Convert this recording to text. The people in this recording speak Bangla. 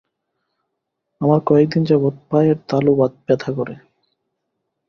আমার কয়েকদিন যাবত পায়ের তালু ব্যথা করে।